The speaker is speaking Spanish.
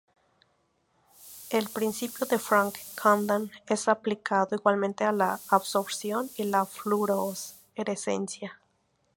El principio de Franck–Condon es aplicado igualmente a la absorción y a la fluorescencia.